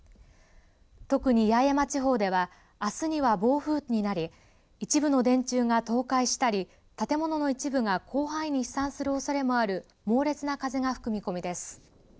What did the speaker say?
特に八重山地方ではあすには暴風になり一部の電柱が倒壊したり建物の一部が広範囲に飛散するおそれもある猛烈な風が吹く見込みです。